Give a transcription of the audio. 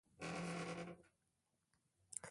د اوازو خپرول يې زيانمن بلل.